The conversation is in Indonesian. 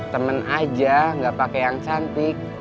temen aja nggak pakai yang cantik